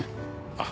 あっ。